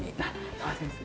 そうですね。